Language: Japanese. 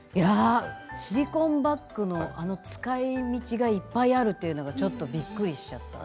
シリコンバッグの使いみちがいっぱいあるというのが、ちょっとびっくりしちゃった。